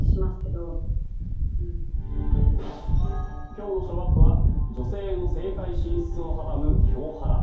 今日のショーアップは女性の政界進出を阻む票ハラ。